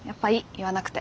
言わなくて。